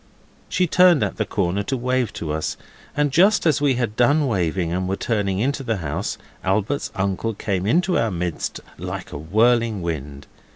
She turned at the corner to wave to us, and just as we had done waving, and were turning into the house, Albert's uncle came into our midst like a whirling wind.